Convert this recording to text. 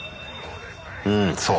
うんそう